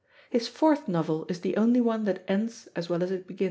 His fourth novel is the only one that ends as well as it begins.